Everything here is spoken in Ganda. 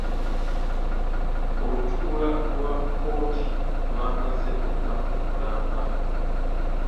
Olutuula lwa kkooti lwamaze olunaku lulamba.